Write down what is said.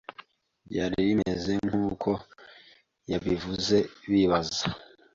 Byari bimeze nkuko yabivuze bizaba.